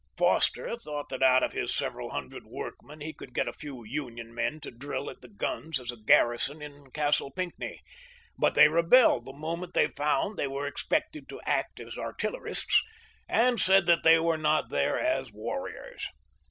Foster thought that out of his several hundred wrorkmen he could get a few Union men to drill at the guns as a garrison in Castle Pinck ney, but they rebelled the moment they found they were expected to act as artillerists, and said that they were not there as warriors.